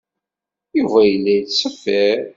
Yuba yella yettṣeffir.